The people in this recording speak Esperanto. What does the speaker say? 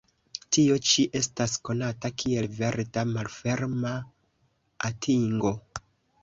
Tio ĉi estas konata kiel 'verda' malferma atingo.